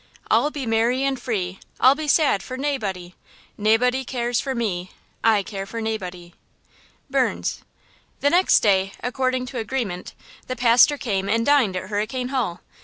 I'll be merry and free, I'll be sad for naebody; Naebody cares for me, I care for naebody. –BURNS. THE next day, according to agreement, the pastor came and dined at Hurricane Hall.